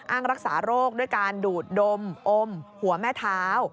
อ้างรักษาโรคด้วยการดูดดมอมหัวแม่เท้า